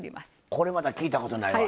これまた聞いたことないわ。